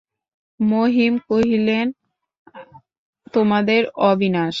মহিম কহিলেন, তোমাদের অবিনাশ।